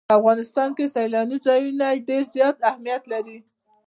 په افغانستان کې سیلاني ځایونه ډېر زیات اهمیت لري.